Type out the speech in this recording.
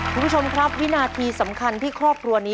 โปรดติดตามตอนต่อไป